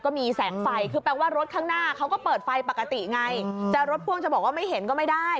ก็มีแสงไฟคือแปลว่ารถข้างหน้าเขาก็เปิดไฟปกติไง